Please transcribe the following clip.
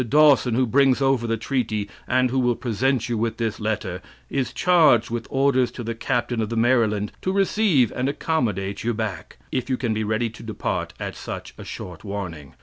Dawson, who brings over the treaty, and who will present you with this letter, is charged with orders to the Captain of the Maryland to receive and accommodate you back, if you can be ready to depart at such a short warning.